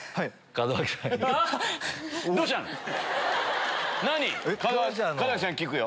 門脇さんに聞くよ。